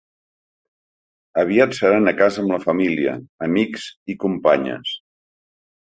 Aviat seran a casa amb la família, amics i companyes.